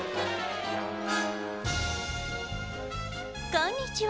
こんにちは。